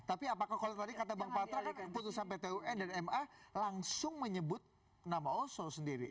tapi apakah kalau tadi kata bang patra kan keputusan pt un dan ma langsung menyebut nama oso sendiri